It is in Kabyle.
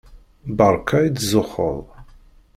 Beṛka i tzuxxeḍ.